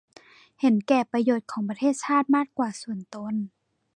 เห็นแก่ประโยชน์ของประเทศชาติมากกว่าส่วนตน